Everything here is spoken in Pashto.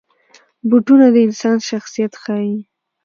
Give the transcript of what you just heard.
بوټونه د انسان شخصیت ښيي.